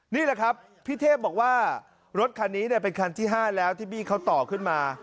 นี่แหละครับพี่เทพบอกว่ารถคันนี้เป็นคันที่๕แล้วที่บี้เขาต่อขึ้นมา